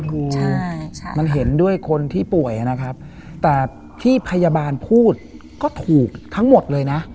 คือมันเห็นด้วยคนที่ป่วยนะครับแต่ที่พยาบาลพูดก็ถูกทั้งหมดเลยนะ